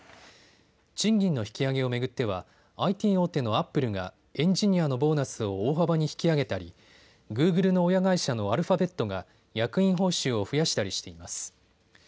賃金の引き上げを巡ってはＩＴ大手のアップルがエンジニアのボーナスを大幅に引き上げたりグーグルの親会社のアルファベットが役員報酬を増やしたりしています。